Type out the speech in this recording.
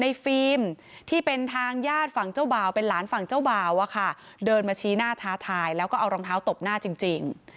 ฟิล์มที่เป็นทางญาติฝั่งเจ้าบ่าวเป็นหลานฝั่งเจ้าบ่าวอะค่ะเดินมาชี้หน้าท้าทายแล้วก็เอารองเท้าตบหน้าจริง